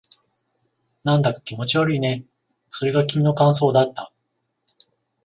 なんだか気持ち悪いね。それが君の感想だった。